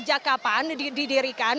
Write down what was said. sejak kapan didirikan